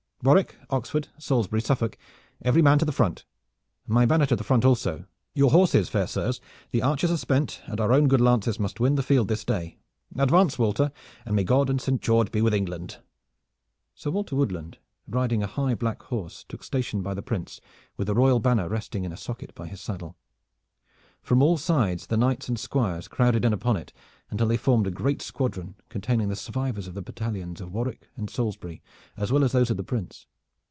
Warwick, Oxford, Salisbury, Suffolk, every man to the front! My banner to the front also! Your horses, fair sirs! The archers are spent, and our own good lances must win the field this day. Advance, Walter, and may God and Saint George be with England!" Sir Walter Woodland, riding a high black horse, took station by the Prince, with the royal banner resting in a socket by his saddle. From all sides the knights and squires crowded in upon it, until they formed a great squadron containing the survivors of the battalions of Warwick and Salisbury as well as those of the Prince.